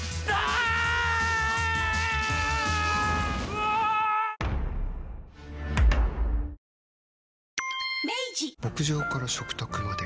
はぁ牧場から食卓まで。